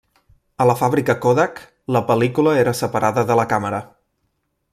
A la fàbrica Kodak, la pel·lícula era separada de la càmera.